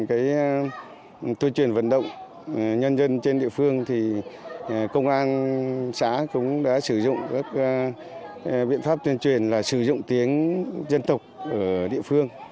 cái tuyên truyền vận động nhân dân trên địa phương thì công an xã cũng đã sử dụng các biện pháp tuyên truyền là sử dụng tiếng dân tộc ở địa phương